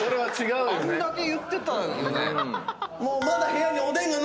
あんだけ言ってたよね？